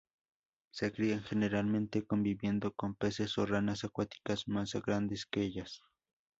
Se crían generalmente conviviendo con peces o ranas acuáticas más grandes que ellas.